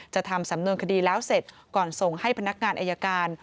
ทำสำนวนคดีแล้วเสร็จก่อนส่งให้พนักงานอายการ